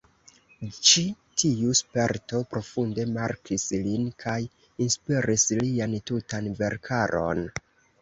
Ĉi tiu sperto profunde markis lin kaj inspiris lian tutan verkaron.